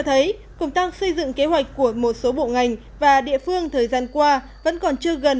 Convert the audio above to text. thấy công tác xây dựng kế hoạch của một số bộ ngành và địa phương thời gian qua vẫn còn chưa gần